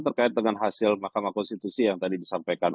terkait dengan hasil mahkamah konstitusi yang tadi disampaikan